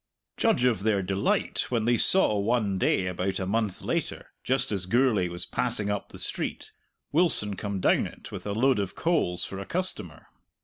Judge of their delight when they saw one day about a month later, just as Gourlay was passing up the street, Wilson come down it with a load of coals for a customer!